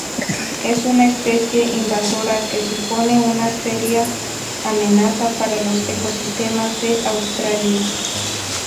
Es una especie invasora que supone una seria amenaza para los ecosistemas de Australia.